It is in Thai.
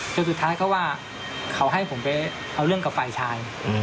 จนสุดท้ายเขาว่าเขาให้ผมไปเอาเรื่องกับฝ่ายชาย